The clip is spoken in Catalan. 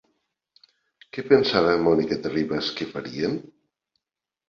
Què pensava Mònica Terribas que farien?